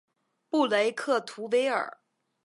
布雷克图维尔。